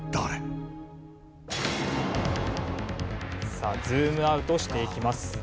さあズームアウトしていきます。